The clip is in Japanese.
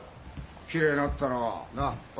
きれいになったろう。